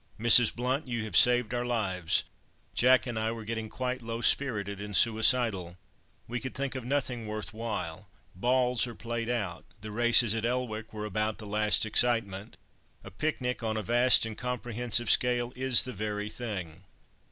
"Mrs. Blount, you have saved our lives. Jack and I were getting quite low spirited and suicidal. We could think of nothing worth while. Balls are played out. The races at Elwick were about the last excitement. A picnic on a vast and comprehensive scale is the very thing.